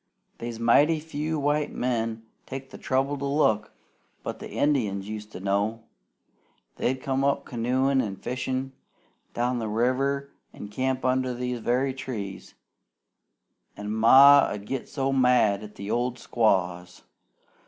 "They's mighty few white men takes the trouble to look, but the Indians used to know. They'd come canoein' an' fishin' down the river an' camp under these very trees, an' Ma 'ud git so mad at the old squaws.